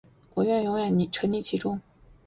我愿永远沈溺其中